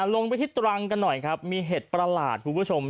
ลงไปที่ตรังกันหน่อยครับมีเห็ดประหลาดคุณผู้ชม